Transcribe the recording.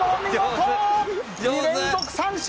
２連続三振！